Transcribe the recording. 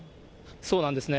そうなんですね。